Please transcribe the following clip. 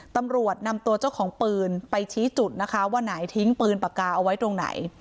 ตำรวจนำตัวเจ้าของปืนไปชี้จุดนะคะว่าไหนทิ้งปืนปากกาเอาไว้ตรงไหน